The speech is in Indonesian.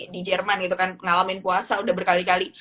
di jerman gitu kan ngalamin puasa udah berkali kali